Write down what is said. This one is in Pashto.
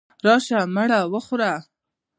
راشئ مړې وخورئ.